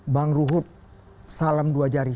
bang ruhut salam dua jari